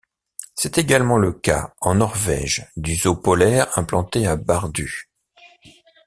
C'est également le cas, en Norvège, du zoo polaire implanté à Bardu.